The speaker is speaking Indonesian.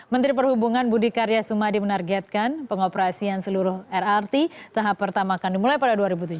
menteri perhubungan budi karya sumadi menargetkan pengoperasian seluruh lrt tahap pertama akan dimulai pada dua ribu tujuh belas